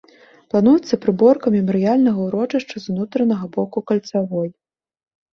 Плануецца прыборка мемарыяльнага ўрочышча з унутранага боку кальцавой.